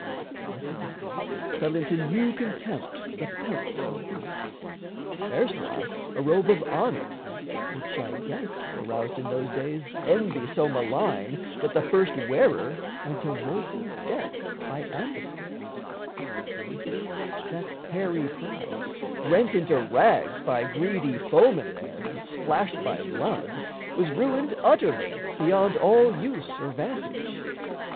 Thus, again, Fell into new contempt the pelts of beasts Erstwhile a robe of honour, which, I guess, Aroused in those days envy so malign That the first wearer went to woeful death By ambuscades, and yet that hairy prize, Rent into rags by greedy foemen there And splashed by blood, was ruined utterly Beyond all use or vantage.